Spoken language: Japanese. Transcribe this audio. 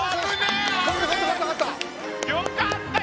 よかった！